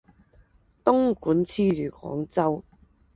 东莞黐住广州